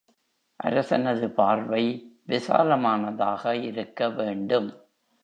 அரசனது பார்வை விசாலமானதாக இருக்க வேண்டும்.